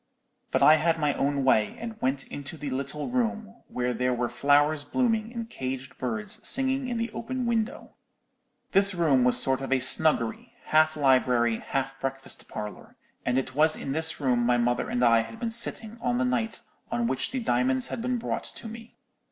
But I had my own way, and went into the little room, where there were flowers blooming and caged birds singing in the open window. "This room was a sort of snuggery, half library, half breakfast parlour, and it was in this room my mother and I had been sitting on the night on which the diamonds had been brought to me.